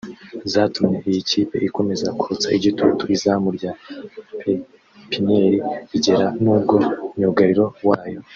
zatumye iyi kipe ikomeza kotsa igitutu izamu rya pépinière bigera nubwo myugariro wayo